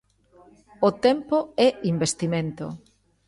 O tempo é investimento.